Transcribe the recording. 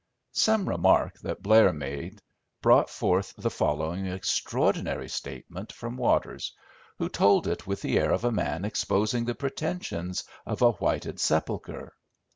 Some remark that Blair made brought forth the following extraordinary statement from Waters, who told it with the air of a man exposing the pretensions of a whited sepulchre.